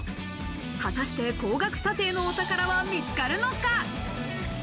果たして高額査定のお宝は見つかるのか？